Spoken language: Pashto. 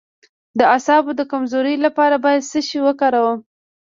د اعصابو د کمزوری لپاره باید څه شی وکاروم؟